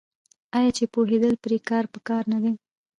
آیا چې پوهیدل پرې پکار نه دي؟